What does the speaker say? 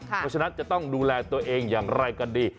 เพราะฉะนั้นจะต้องดูแลตัวเองอย่างไรกันดี